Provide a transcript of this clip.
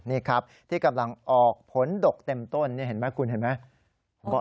นี่ครับที่กำลังออกผลดกเต็มต้นนี่เห็นไหมคุณเห็นไหม